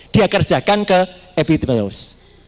dia kerjakan ke evi thilamus